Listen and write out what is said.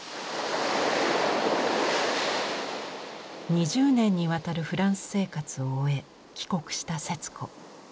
２０年にわたるフランス生活を終え帰国した節子。